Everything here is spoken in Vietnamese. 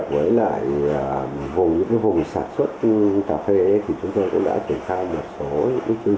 trong quá trình làm việc với những vùng sản xuất cà phê thì chúng tôi cũng trể khai một số chương trình tập huấn